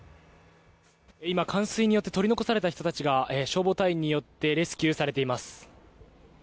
今、冠水によって取り残された人たちが消防隊員によってレスキューされています。